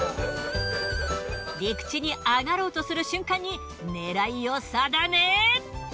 陸地に上がろうとする瞬間に狙いを定め。